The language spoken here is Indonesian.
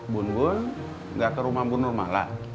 bun bun gak ke rumah bunur malah